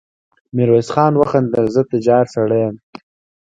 ميرويس خان وخندل: زه تجار سړی يم.